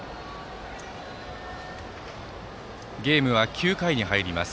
ゲームは９回に入ります。